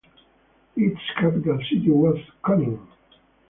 Its capital city was Konin.